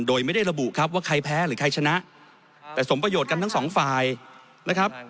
โดยไม่ได้ระบุครับว่าใครแพ้หรือใครชนะแต่สมประโยชน์กันทั้งสองฝ่ายนะครับ